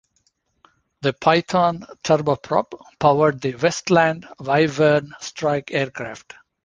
The Python turboprop powered the Westland Wyvern strike aircraft.